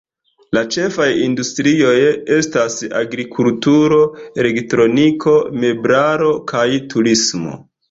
La ĉefaj industrioj estas agrikulturo, elektroniko, meblaro kaj turismo.